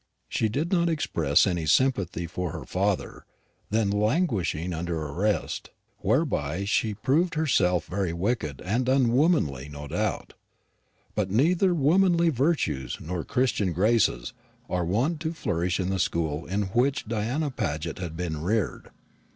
She did not express any sympathy for her father, then languishing under arrest, whereby she proved herself very wicked and unwomanly, no doubt. But neither womanly virtues nor Christian graces are wont to flourish in the school in which Diana Paget had been reared.